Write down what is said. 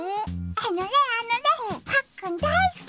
あのねあのねパックンだいすき！